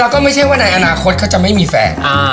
แล้วก็ไม่ใช่ว่าในอนาคตเขาจะไม่มีแฟน